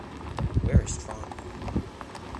Where is Tron?